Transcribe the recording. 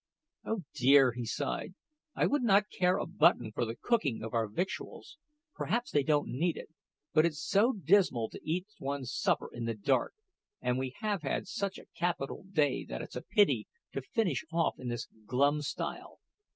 "Oh dear!" he sighed; "I would not care a button for the cooking of our victuals perhaps they don't need it but it's so dismal to eat one's supper in the dark, and we have had such a capital day that it's a pity to finish off in this glum style.